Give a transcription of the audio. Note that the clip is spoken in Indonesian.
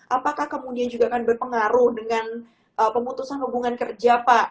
apakah kemudian juga akan berpengaruh dengan pemutusan hubungan kerja pak